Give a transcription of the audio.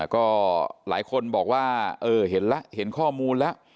ก็หลายคนบอกว่าเห็นแล้วเห็นข้อมูลแล้ว